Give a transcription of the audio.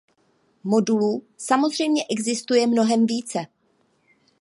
Modulů samozřejmě existuje mnohem více.